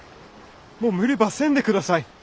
もう無理ばせんで下さい！